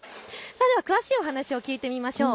詳しいお話を聞いてみましょう。